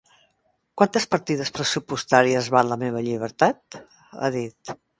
Quantes partides pressupostàries val la meva llibertat?, ha dit.